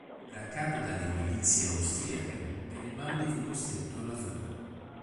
Braccato dalle milizie austriache, Garibaldi fu costretto alla fuga.